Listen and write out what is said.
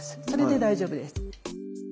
それで大丈夫です。